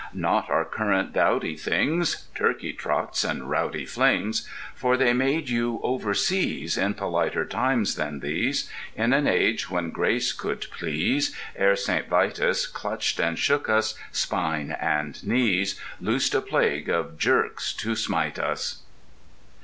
Not our current, dowdy Things— "Turkey trots" and rowdy Flings— For they made you overseas In politer times than these In an age when grace could please, Ere St. Vitus Clutched and shook us, spine and knees; Loosed a plague of jerks to smite us!